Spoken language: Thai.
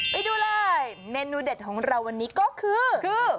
ไปดูเลยเมนูเด็ดของเราวันนี้ก็คือ